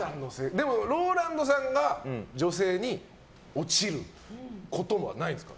ＲＯＬＡＮＤさんが女性におちることはないんですか？